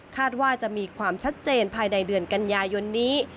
ว่าจะมีความชัดเจนภายในเดือนกันยายนนี้